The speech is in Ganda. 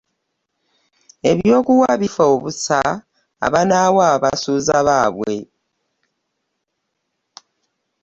Eby'okuwa bifa obusa ,abanaawa basuuza bbaabwe .